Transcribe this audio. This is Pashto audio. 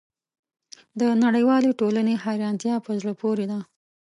د نړیوالې ټولنې حیرانتیا په زړه پورې ده.